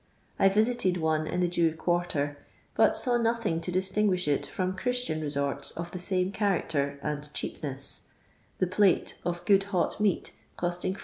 I visited one in the Jew quarter, but saw nothing to distinguish it from Christian resorts of the same character and cheapness (the " plate " of good hot meat costing Ad.